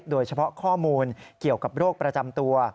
โดยเฉพาะข้อมูลเกี่ยวกับโรคประจำตัว